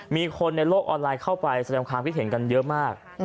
มีคนในโลกออนไลน์เข้าไปแสดงความคิดเห็นกันเยอะมาก